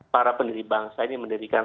para pendiri bangsa ini mendirikan